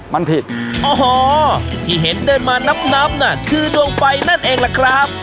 มันผิดโอ้โหที่เห็นเดินมานับนับน่ะคือดวงไฟนั่นเองล่ะครับ